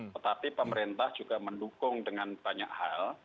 tetapi pemerintah juga mendukung dengan banyak hal